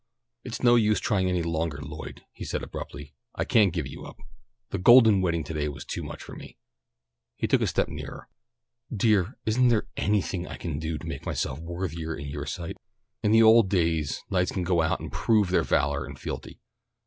"It's no use trying any longer, Lloyd," he said abruptly. "I can't give you up. The golden wedding to day was too much for me." He took a step nearer. "Dear, isn't there anything I could do to make myself worthier in your sight? In the old days knights could go out and prove their valour and fealty.